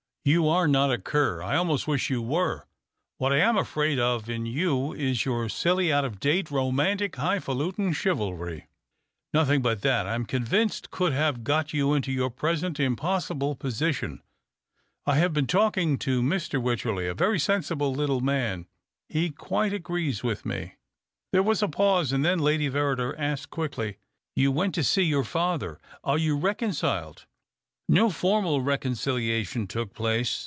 You are not a cur, I almost wish you were. What I am afraid of in you is your silly, out of date, romantic, high falutin chivalry. Nothinoj but that, I am convinced, could have got you into your present impossible position. I have been talking to Mr. Wycherley — a very sensible little man. He quite agrees with me." There was a pause, and then Lady Verrider asked quickly — "You went to see your father — are you reconciled ?"" No formal reconciliation took place.